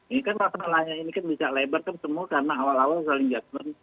ini kan masalahnya ini kan bisa lebar kan semua karena awal awal saling judgment